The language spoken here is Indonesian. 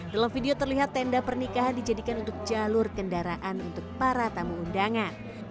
dalam video terlihat tenda pernikahan dijadikan untuk jalur kendaraan untuk para tamu undangan